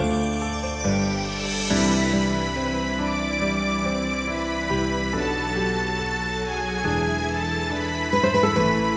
ไอลี่